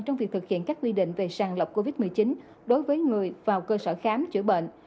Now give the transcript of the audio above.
trong việc thực hiện các quy định về sàng lọc covid một mươi chín đối với người vào cơ sở khám chữa bệnh